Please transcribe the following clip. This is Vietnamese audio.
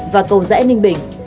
và cầu rẽ ninh bình